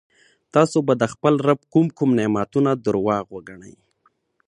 تاسو به د خپل رب کوم کوم نعمتونه درواغ وګڼئ.